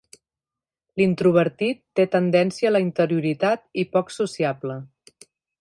L'introvertit té tendència a la interioritat i poc sociable.